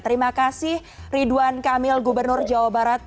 terima kasih ridwan kamil gubernur jawa barat